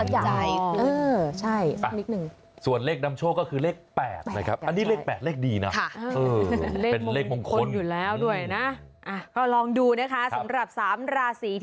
อย่าลงทุนอย่าลงทุนยิ่งยากยาก